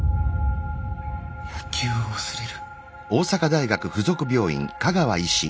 野球を忘れる？